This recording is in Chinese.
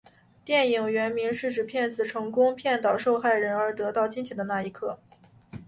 电影原名是指骗子成功骗倒受害人而取得金钱的那一刻。